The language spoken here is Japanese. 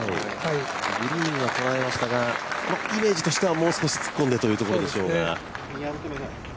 グリーンはとらえましたがイメージとしてはもう少し突っ込んでというところでしょうか。